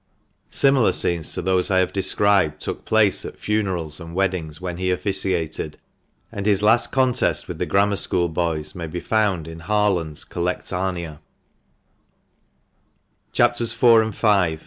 Similar scenes to those I have described took place at funerals and weddings when he officiated; and his last contest with the Grammar School boys may be found in Har^and's " Collectanea," CHAPS. IV. and V.